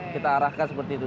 kita arahkan seperti itu